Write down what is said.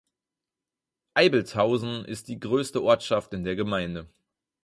Eibelshausen ist die größte Ortschaft in der Gemeinde.